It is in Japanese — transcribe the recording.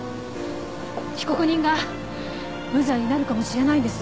被告人が無罪になるかもしれないんです。